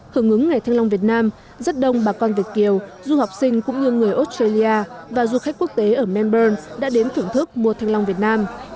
hưởng ứng ngày thanh long việt nam rất đông bà con việt kiều du học sinh cũng như người australia và du khách quốc tế ở melbourne đã đến thưởng thức mua thanh long việt nam